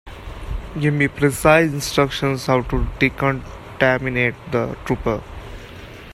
Give me precise instructions how to decontaminate the trooper.